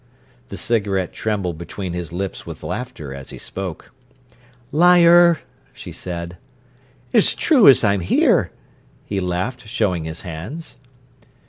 The cigarette trembled between his lips with laughter as he spoke. "Liar!" she said. "'S true as I'm here!" he laughed, showing his hands.